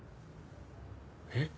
えっ？